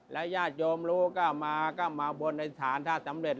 และญาติโยมรู้ก็มาบนสถานท่าสำเร็จ